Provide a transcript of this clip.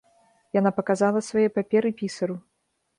Яна паказала свае паперы пісару.